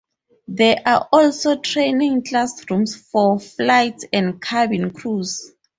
There are also training classrooms for flight and cabin crews.